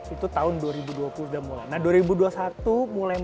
itu tahun dua ribu dua puluh sudah mulai